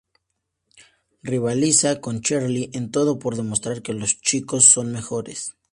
Rivaliza con Cheryl en todo por demostrar que los chicos son mejores.